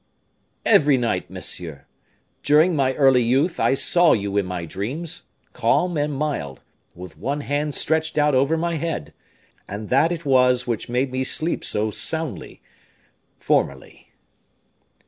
"Every night, monsieur. During my early youth I saw you in my dreams, calm and mild, with one hand stretched out over my head, and that it was which made me sleep so soundly formerly."